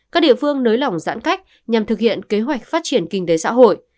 các địa phương nới lỏng giãn cách nhằm thực hiện kế hoạch phát triển kinh tế xã hội